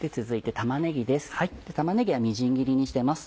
玉ねぎはみじん切りにしてます。